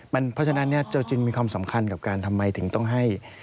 เพราะฉะนั้นเราจึงมีความสำคัญกับการทำไมถึงต้องให้